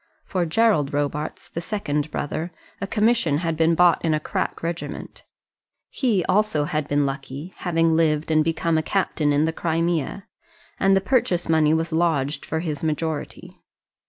For Gerald Robarts, the second brother, a commission had been bought in a crack regiment. He also had been lucky, having lived and become a captain in the Crimea; and the purchase money was lodged for his majority.